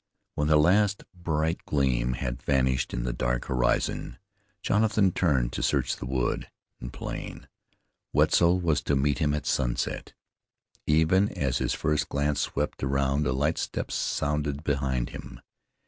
When the last bright gleam had vanished in the dark horizon Jonathan turned to search wood and plain. Wetzel was to meet him at sunset. Even as his first glance swept around a light step sounded behind him.